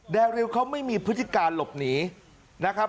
ริวเขาไม่มีพฤติการหลบหนีนะครับ